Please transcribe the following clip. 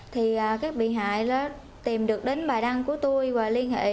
thì các bị hại tìm được đến bài đăng của tôi và liên hệ